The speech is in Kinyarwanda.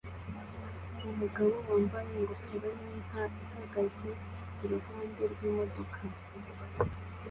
Umugabo wambaye ingofero yinka ihagaze iruhande rwimodoka